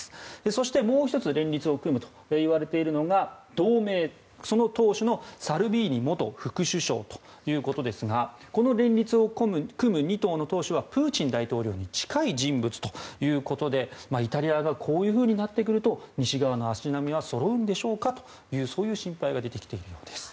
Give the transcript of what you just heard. そしてもう１つ連立を組むといわれているのが同盟、その党首のサルビーニ元副首相ということですがこの連立を組む２党の党首はプーチン大統領に近い人物ということでイタリアがこういうふうになってくると西側の足並みは揃うんでしょうかというそういう心配が出てきているんです。